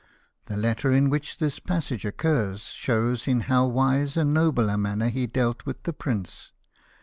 The letter in which this passage occurs shows in how wise 'and noble a manner he dealt with the prince.